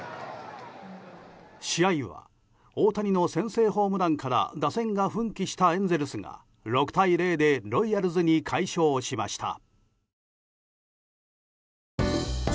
試合は大谷の先制ホームランから打線が奮起したエンゼルスが６対０でロイヤルズに快勝しました。